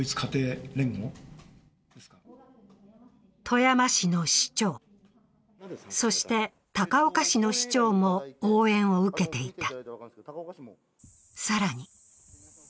富山市の市長、そして高岡市の市長も応援を受けていた。